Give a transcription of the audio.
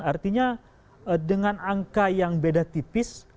artinya dengan angka yang beda tipis